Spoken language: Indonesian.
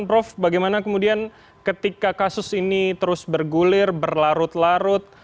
prof bagaimana kemudian ketika kasus ini terus bergulir berlarut larut